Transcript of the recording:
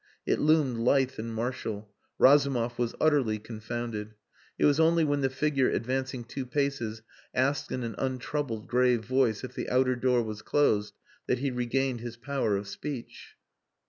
It loomed lithe and martial. Razumov was utterly confounded. It was only when the figure advancing two paces asked in an untroubled, grave voice if the outer door was closed that he regained his power of speech.